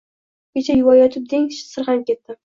Kecha yuvayotib deng, sirg‘anib ketdim.